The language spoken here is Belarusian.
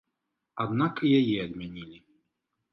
Аднак і яе адмянілі.